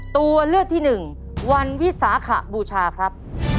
ตัวเลือกที่หนึ่งวันวิสาขบูชาครับ